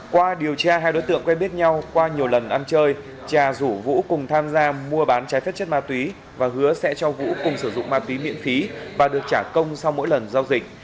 qua điều tra hai đối tượng quen biết nhau qua nhiều lần ăn chơi trà rủ vũ cùng tham gia mua bán trái phép chất ma túy và hứa sẽ cho vũ cùng sử dụng ma túy miễn phí và được trả công sau mỗi lần giao dịch